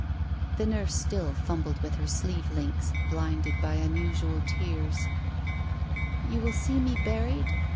... The nurse still fumbled with her sleeve links, blinded by unusual tears. "You will see me buried?"